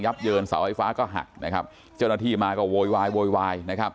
ยับเยินเสาไฟฟ้าก็หักเจ้าหน้าที่มาก็โวยวาย